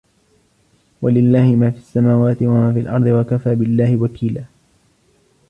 ولله ما في السماوات وما في الأرض وكفى بالله وكيلا